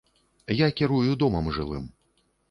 Я кірую домам жылым.